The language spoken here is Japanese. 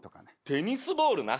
テニスボールな。